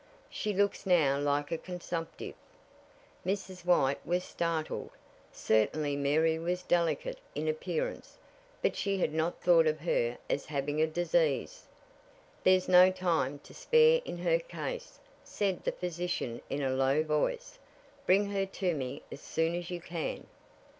She looks now like a consumptive." Mrs. White was startled. Certainly Mary was delicate in appearance, but she had not thought of her as having a disease. "There's no time to spare in her case," said the physician in a low voice. "Bring her to me as soon as you can."